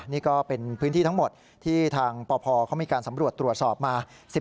นี่ก็เป็นพื้นที่ทั้งหมดที่ทางปพเขามีการสำรวจตรวจสอบมา